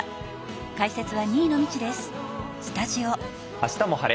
「あしたも晴れ！